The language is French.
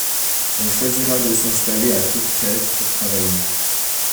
Elle choisira de s'installer à Tourtrès pour travailler.